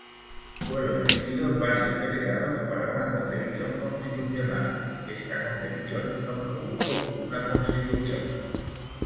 Fueron elegidos varios delegados para una convención constitucional; esta convención no produjo una constitución.